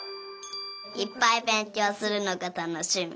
いっぱいべんきょうするのがたのしみ。